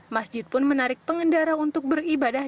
masjid pun menarik pengendara untuk beribadah